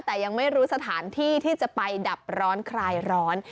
แต่ยังไม่รู้สถานที่ที่จะไปดับร้อนคลายร้อน